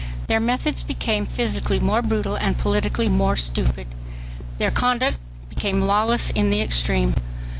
Their methods became physically more brutal and politically more stupid. Their conduct became lawless in the extreme.